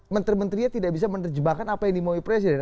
menteri menterinya tidak bisa menerjebakkan apa yang dimauin presiden